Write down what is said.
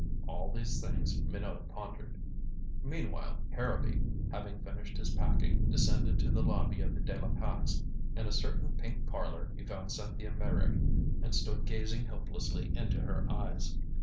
All these things Minot pondered. Meanwhile Harrowby, having finished his packing, descended to the lobby of the De la Pax. In a certain pink parlor he found Cynthia Meyrick, and stood gazing helplessly into her eyes.